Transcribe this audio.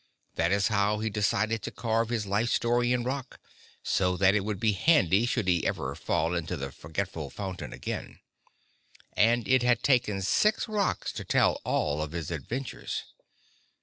That is why he decided to carve his life story in rock, so that it would be handy should he ever fall into the forgetful fountain again. And it had taken six rocks to tell all of his adventures.